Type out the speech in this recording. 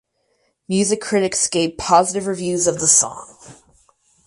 Music critics gave positive reviews of the song.